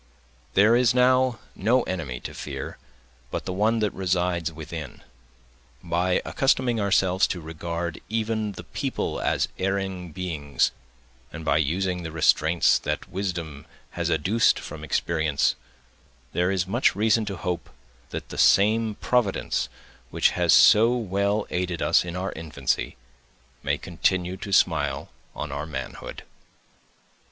There is now no enemy to fear, but the one that resides within. By accustoming ourselves to regard even the people as erring beings, and by using the restraints that wisdom has adduced from experience, there is much reason to hope that the same Providence which has so well aided us in our infancy, may continue to smile on our manhood.